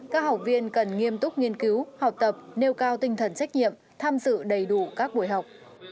các học viên cần nghiêm túc nghiên cứu học tập nêu cao tinh thần trách nhiệm tham dự đầy đủ các buổi học